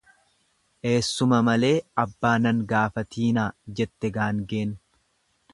Eessuma malee abbaa nan gaafatinaa jette gaangeen.